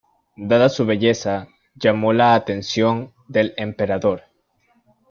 Dada su belleza, llamó la atención del emperador.